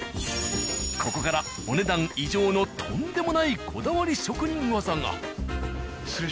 ここからお、ねだん異常。のとんでもないこだわり職人技が。